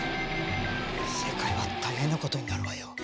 世界は大変なことになるわよ。